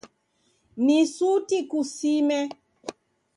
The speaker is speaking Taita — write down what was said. Ni suti kusime.